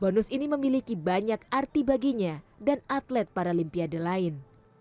bonus ini memiliki banyak arti baginya dan atlet paralimpiade lain